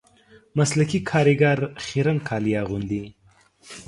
مسلکي کاریګر خیرن کالي اغوندي